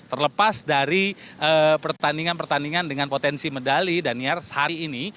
terlepas dari pertandingan pertandingan dengan potensi medali daniar hari ini